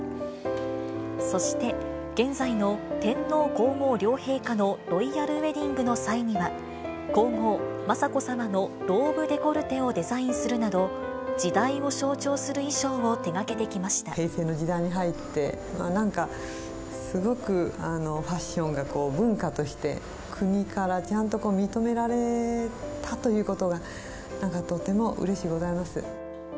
そして、現在の天皇皇后両陛下のロイヤルウエディングの際には、皇后雅子さまのローブ・デコルテをデザインするなど、時代を象徴平成の時代に入って、なんかすごくファッションが文化として、国からちゃんと認められたということが、なんかとてもうれしゅうございます。